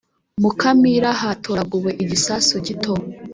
mukamira hatoraguwe igisasu gito